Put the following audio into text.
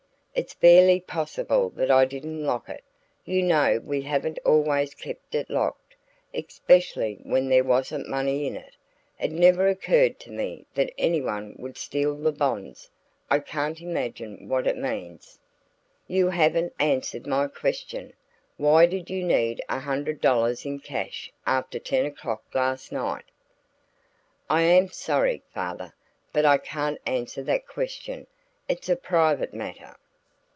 It's barely possible that I didn't lock it; you know we haven't always kept it locked, especially when there wasn't money in it. It never occurred to me that anyone would steal the bonds. I can't imagine what it means." "You haven't answered my question. Why did you need a hundred dollars in cash after ten o'clock last night?" "I am sorry, father, but I can't answer that question. It's a private matter."